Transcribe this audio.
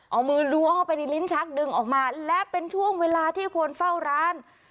เอามือล้วงเข้าไปในลิ้นชักดึงออกมาและเป็นช่วงเวลาที่คนเฝ้าร้าน